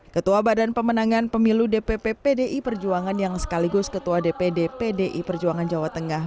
ketua badan pemenangan pemilu dpp pdi perjuangan yang sekaligus ketua dpd pdi perjuangan jawa tengah